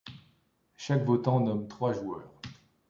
Chaque votant nomme trois joueurs.